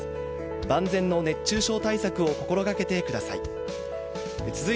万全の熱中症対策を心がけてください。